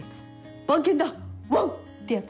バンケンだワン！」ってやつ。